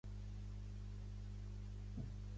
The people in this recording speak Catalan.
Diuen que el premi Sant Jordi va com un coet, aquest any!